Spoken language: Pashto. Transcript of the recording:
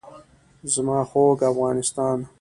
زما خوږ افغانستان.